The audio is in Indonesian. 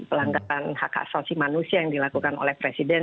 pelanggaran hak asasi manusia yang dilakukan oleh presiden